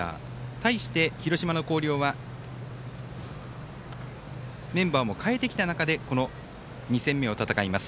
対して、広島の広陵はメンバーも変えてきた中でこの２戦目も戦います。